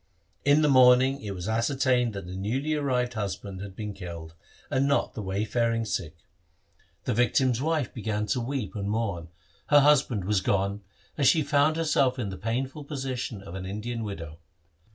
In the morning it was ascertained that it was the newly arrived husband who had been killed, and not the wayfaring Sikh. The victim's wife began to weep 74 THE SIKH RELIGION and mourn, her husband was gone, and she found herself in the painful position of an Indian widow.